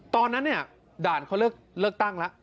ตอนนั้นเนี่ยด่านเขาเลือกตั้งแล้ว